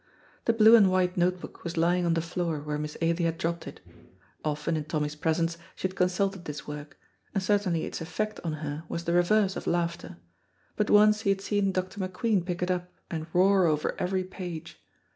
The blue and white note book was lying on the floor where Miss Ailie had dropped it. Often in Tommy's presence she had consulted this work, and certainly its effect on her was the reverse of laughter; but once he had seen Dr. McQueen pick it up and roar over every page.